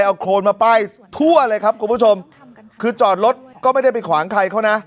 เอาโครนมาป้ายทั่วเลยครับคุณผู้ชมคือจอดรถก็ไม่ได้ไปขวางใครเขานะ